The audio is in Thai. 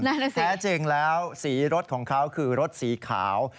แน่นอนสิแท้จริงแล้วสีรถของเขาคือรถสีขาว